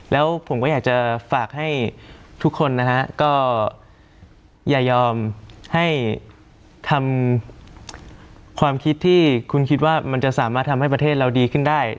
แล้วผมก็อยากจะฝากให้ทุกคนนะฮะก็อย่ายอมให้ทำความคิดที่คุณคิดว่ามันจะสามารถทำให้ประเทศเราดีขึ้นได้